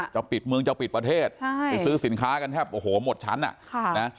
จะปิดเมืองจะปิดประเทศไปซื้อสินค้ากันแทบโอ้โหหมดชั้น